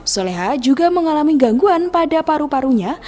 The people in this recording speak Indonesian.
soleha juga mengalami gangguan pada paru parunya